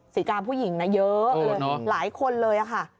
สีกามผู้หญิงนะเยอะหลายคนเลยค่ะ